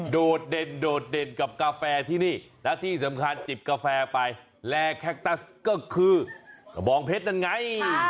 โดดเด่นโดดเด่นกับกาแฟที่นี่และที่สำคัญจิบกาแฟไปแลแคคตัสก็คือกระบองเพชรนั่นไง